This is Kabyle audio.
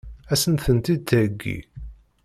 Ad sen-tent-id-theggi?